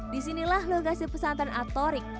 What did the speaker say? disinilah logasi pesantren atorik